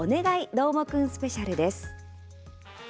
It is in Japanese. どーもくんスペシャル」です。